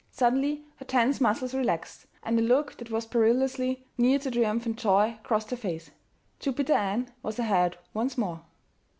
Suddenly her tense muscles relaxed, and a look that was perilously near to triumphant joy crossed her face Jupiter Ann was ahead once more!